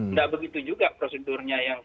nggak begitu juga prosedur yang baik